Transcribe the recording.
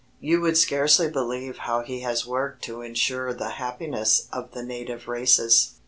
You would scarcely believe how he has worked to ensure the happiness of the native races.